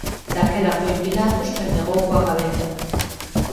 Daquela foi Pilatos quen negou coa cabeza: